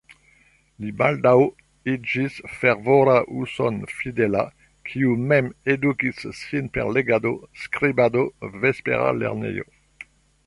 Li baldaŭ iĝis fervora uson-fidela, kiu mem edukis sin per legado, skribado, vespera lernejo.